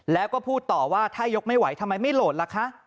แล้วก็พูดต่อว่าถ้ายกไม่ไหวทำไมไม่โหลดล่ะคะ